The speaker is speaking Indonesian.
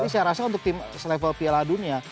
saya rasa untuk tim selevel piala dunia